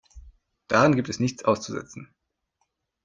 Daran gibt es nichts auszusetzen.